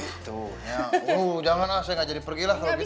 itu jangan lah saya nggak jadi pergilah kalau gitu